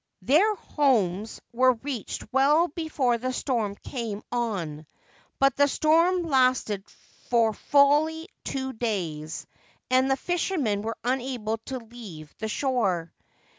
Their homes were reached well before the storm came on ; but the storm lasted for fully two days, and the fishermen were unable to leave the shore.